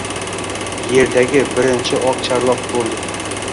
Yerdagi birinchi oqcharloq bo‘ldi.